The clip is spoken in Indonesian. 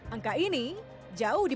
angka ini jauh dibuat